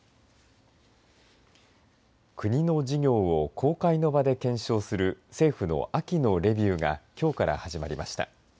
国の事業を公開の場で検証する政府の秋のレビューがきょうから始まりました。